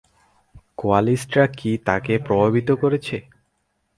কোয়ালিস্টরা কি তাকে প্রভাবিত করেছে?